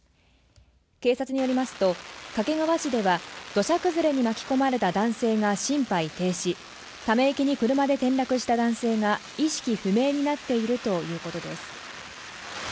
警察によりますと掛川市では土砂崩れに巻き込まれた男性が心肺停止、ため池に車で転落した男性が意識不明になっているということです。